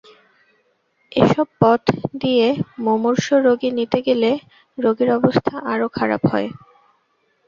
এসব পথ দিয়ে মুমূর্ষু রোগী নিতে গেলে রোগীর অবস্থা আরও খারাপ হয়।